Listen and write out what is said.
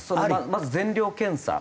まず全量検査。